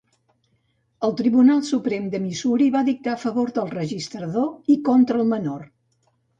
El Tribunal Suprem de Missouri va dictar a favor del registrador i contra el menor.